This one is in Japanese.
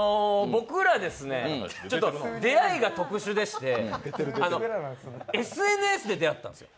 僕ら、出会いが特殊でしてＳＮＳで出会ったんです。